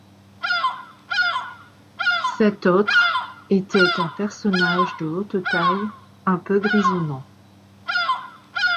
Cet autre était un personnage de haute taille, un peu grisonnant.